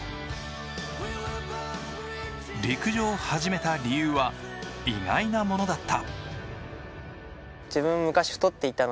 陸上を始めた理由は意外なものだった。